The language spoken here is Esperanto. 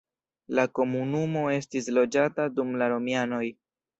La komunumo estis loĝata dum la romianoj.